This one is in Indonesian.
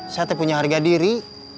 saya punya harga diri